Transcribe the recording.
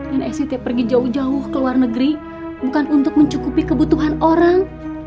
dan sit pergi jauh jauh ke luar negeri bukan untuk mencukupi kebutuhan orang